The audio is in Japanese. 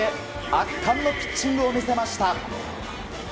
圧巻のピッチングを見せました。